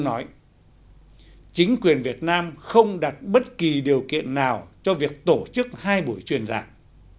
nói chính quyền việt nam không đặt bất kỳ điều kiện nào cho việc tổ chức hai buổi truyền giảng